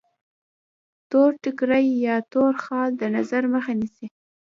تور ټیکری یا تور خال د نظر مخه نیسي.